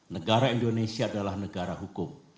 negara indonesia adalah negara hukum